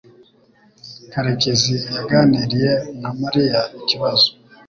Karekezi yaganiriye na Mariya ikibazo.